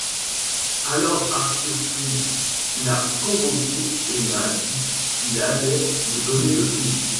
Alors Arthur Freed m'a convoqué et m'a dit qu'il allait me donner le film.